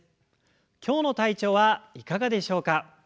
今日の体調はいかがでしょうか？